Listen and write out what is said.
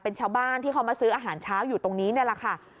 เป็นชาวบ้านที่เขามาซื้ออาหารเช้าอยู่ตรงนี้นี่แหละค่ะ